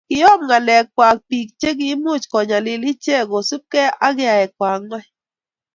Kiom ngalekwai bik che kikimuch kenyalil ichek kosubkei ak yaekwangai.